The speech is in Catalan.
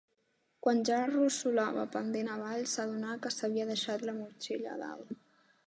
Quan ja rossolava pendent avall, s'adonà que s'havia deixat la motxilla a dalt.